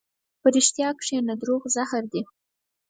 په رښتیا کښېنه، دروغ زهر دي.